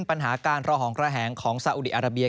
ปัญหาการระหองระแหงของซาอุดีอาราเบีย